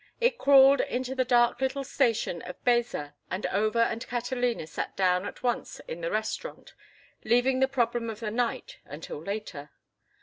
It crawled into the dark little station of Baeza, and Over and Catalina sat down at once in the restaurant, leaving the problem of the night until later.